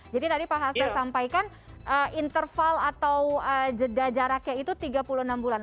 jadi tadi pak hasil sampaikan interval atau jaraknya itu tiga puluh enam bulan